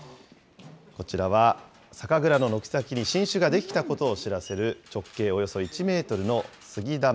こちらは酒蔵の軒先に新酒が出来たことを知らせる、直径およそ１メートルの杉玉。